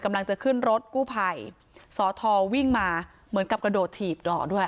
กำลังจะขึ้นรถกู้ภัยสอทอวิ่งมาเหมือนกับกระโดดถีบด่อด้วย